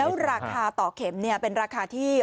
แล้วราคาต่อเข็มเป็นราคาที่